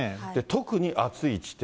特に暑い地点。